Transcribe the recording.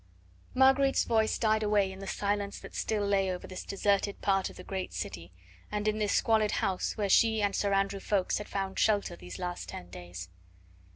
Marguerite's voice died away in the silence that still lay over this deserted part of the great city and in this squalid house where she and Sir Andrew Ffoulkes had found shelter these last ten days.